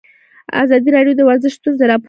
ازادي راډیو د ورزش ستونزې راپور کړي.